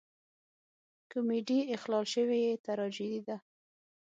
کمیډي اخلال شوې تراژیدي ده.